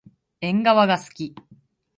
えんがわがすき。